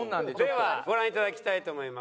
ではご覧いただきたいと思います。